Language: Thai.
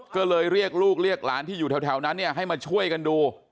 ก็เลยเรียกลูกเรียกหลานที่อยู่แถวนั้นให้มาช่วยกันดู